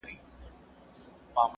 دې ورستو اوبو کي زه هم تباه کېږم !.